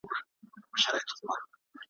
هر کورته امن ور رسېدلی ,